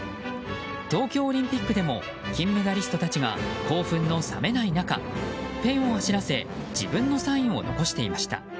東京オリンピックでも金メダリストたちが興奮の冷めない中、ペンを走らせ自分のサインを残していました。